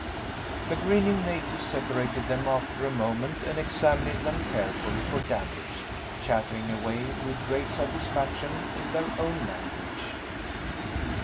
The grinning natives separated them after a moment and examined them carefully for damage, chattering away with great satisfaction in their own language.